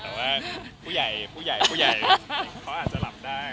แต่ว่าผู้ใหญ่ผู้ใหญ่เขาอาจจะหลับได้